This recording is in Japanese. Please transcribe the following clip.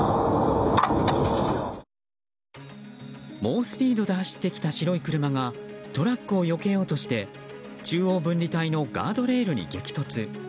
猛スピードで走ってきた白い車がトラックをよけようとして中央分離帯のガードレールに激突。